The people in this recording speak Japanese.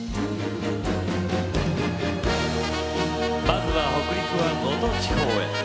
まずは北陸は、能登地方へ。